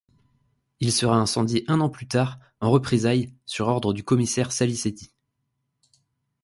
Il sera incendié un an plus tard, en représailles, sur ordre du commissaire Salicetti.